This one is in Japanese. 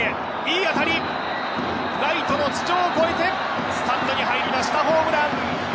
ライトの頭上を越えてスタンドに入りましたホームラン。